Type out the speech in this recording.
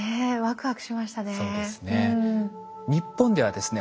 そうですね。